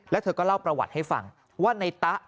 แล้วเธอก็เล่าประวัติให้ฟังว่าในตะ